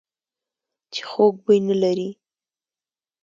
چې خوږ بوی نه لري .